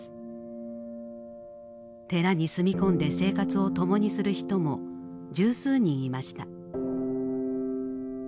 寺に住み込んで生活を共にする人も十数人いました。